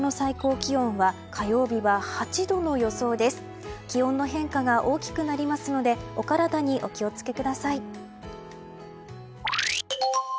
気温の変化が大きくなりますのでお体にお気を付けください。